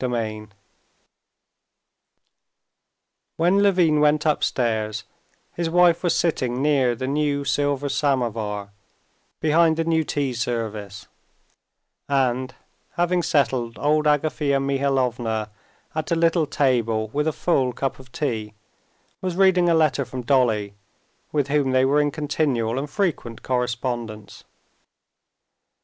Chapter 16 When Levin went upstairs, his wife was sitting near the new silver samovar behind the new tea service, and, having settled old Agafea Mihalovna at a little table with a full cup of tea, was reading a letter from Dolly, with whom they were in continual and frequent correspondence.